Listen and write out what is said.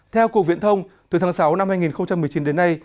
theo cuộc viện thông từ tháng sáu năm hai nghìn một mươi chín đến nay